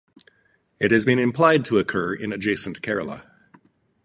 It has been implied to occur in adjacent Kerala.